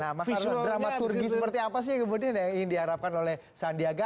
nah mas arsul dramaturgi seperti apa sih kemudian yang diharapkan oleh sandiaga